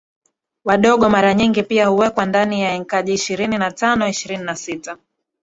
wadogo mara nyingi pia huwekwa ndani ya enkaji Ishirini na tano Ishirini na sita